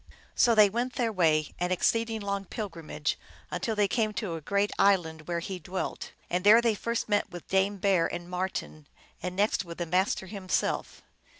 So they went their way, an exceeding long pilgrimage, until they came to a great island, where he dwelt. And there they first met with Dame Bear and Marten, and next with the Master himself.